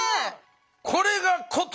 これが箏。